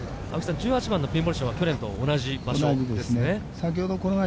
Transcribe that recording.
１８番のピンポジションは去年と同じですね。